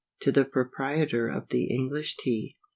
To the Proprietor of the ENGLISH TEA.